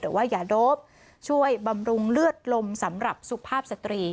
หรือว่ายาโดปช่วยบำรุงเลือดลมสำหรับสุภาพสตรี